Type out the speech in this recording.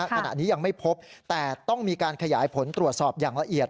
ขณะนี้ยังไม่พบแต่ต้องมีการขยายผลตรวจสอบอย่างละเอียด